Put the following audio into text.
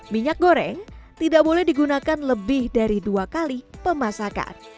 minyak goreng tidak boleh digunakan lebih dari dua kali pemasakan